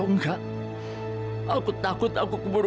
sebagai orang yang tidak bisa diberi penjara